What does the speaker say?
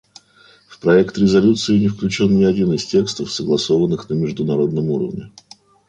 В проект резолюции не включен ни один из текстов, согласованных на международном уровне.